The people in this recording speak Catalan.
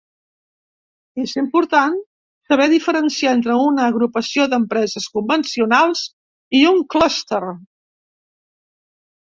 És important saber diferenciar entre una agrupació d'empreses convencionals i un clúster.